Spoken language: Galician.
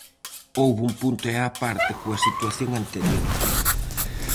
Houbo un punto e á parte coa situación anterior.